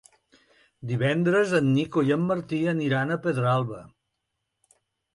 Divendres en Nico i en Martí aniran a Pedralba.